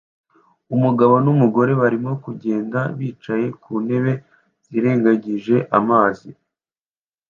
Umugabo numugore barimo kugenda bicaye ku ntebe zirengagije amazi